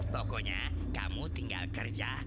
pokoknya kamu tinggal kerja